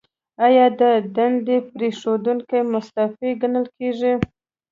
ایا د دندې پریښودونکی مستعفي ګڼل کیږي؟